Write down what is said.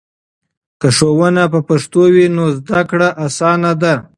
که ښوونه په پښتو وي نو زده کړه اسانه ده.